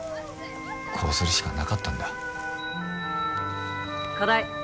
こうするしかなかったんだ課題